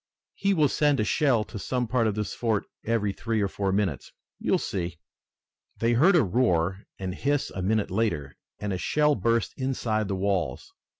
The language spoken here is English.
He will send a shell to some part of this fort every three or four minutes. You will see." They heard a roar and hiss a minute later, and a shell burst inside the walls.